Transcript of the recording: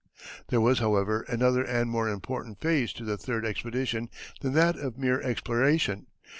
There was, however, another and more important phase to the third expedition than that of mere exploration.